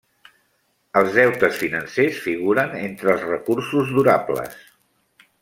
Els deutes financers figuren entre els recursos durables.